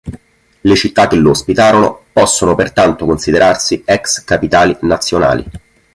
Le città che lo ospitarono possono pertanto considerarsi ex capitali nazionali.